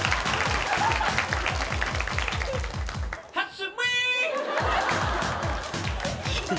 「蓮見！」